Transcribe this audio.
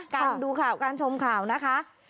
การดูข่าวการชมข่าวนะคะ